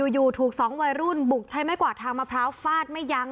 อยู่ถูกสองวัยรุ่นบุกใช้ไม้กวาดทางมะพร้าวฟาดไม่ยั้ง